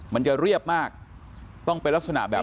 มันจะเรียบมากต้องเป็นลักษณะแบบ